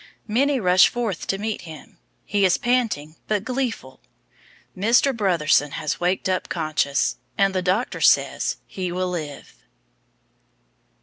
Many rush forth to meet him. He is panting, but gleeful. Mr. Brotherson has waked up conscious, and the doctor says, HE WILL LIVE.